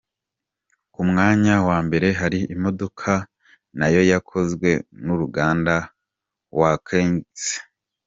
Ku mwanya wa mbere hari imodoka nayo yakozwe n’uruganda wa Koenigsegg.